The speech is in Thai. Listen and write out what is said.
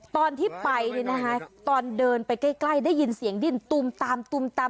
ตอนที่ไปตอนเดินไปใกล้ได้ยินเสียงดิ้นตุมตามตุมตาม